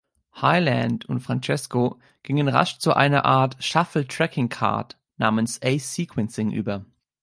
Hyland und Franesco gingen rasch zu einer Art Shuffle Tracking Card namens Ace Sequencing über.